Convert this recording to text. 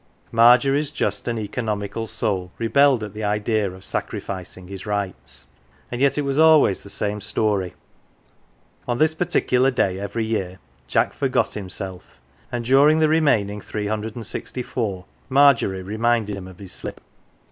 Margery's just and economical soul rebelled at the idea of sacrificing his rights, and yet it was always the same story. On this particular day every year Jack forgot himself, and during the remaining three hundred and sixty four Margery reminded him of his slip.